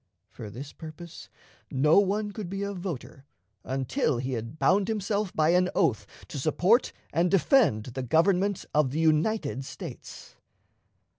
For this purpose, no one could be a voter until he had bound himself by an oath to support and defend the Government of the United States.